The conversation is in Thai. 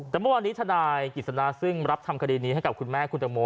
แต่เมื่อวานนี้ทนายกิจสนาซึ่งรับทำคดีนี้ให้กับคุณแม่คุณตังโม